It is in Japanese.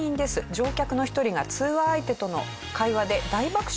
乗客の１人が通話相手との会話で大爆笑。